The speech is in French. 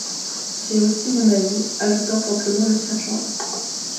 C’est aussi mon avis », ajouta simplement le sergent Long.